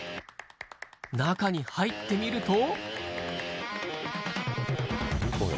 中に入ってみると。